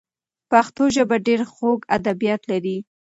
پښتو ژبه ډېر خوږ ادبیات لري.